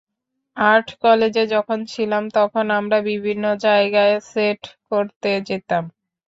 Art কলেজে যখন ছিলাম, তখন আমরা বিভিন্ন জায়গায় সেট করতে যেতাম।